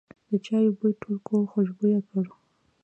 د چای بوی ټول کور خوشبویه کړ.